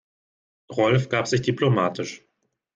Rolf gab sich diplomatisch.